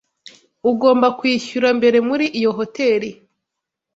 Ugomba kwishyura mbere muri iyo hoteri.